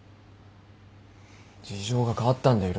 事情が変わったんだよ